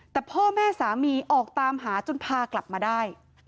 แต่พ่อแม่สามีออกตามหาจนพากลับมาได้